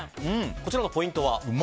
こちらのポイントは？